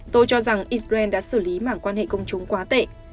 tôi cho rằng israel đã xử lý mảng quan hệ công chúng quá tệ